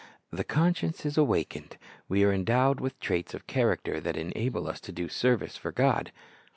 The conscience is awakened. We are endowed with traits of character that en able us to do service for God.